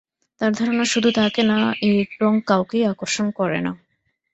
তাঁর ধারণা শুধু তাঁকে না এই রঙ কাউকেই আকর্ষণ করে না।